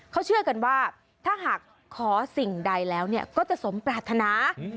เขาเชื่อกันว่าถ้าหากขอสิ่งใดแล้วก็จะสมปรารถนา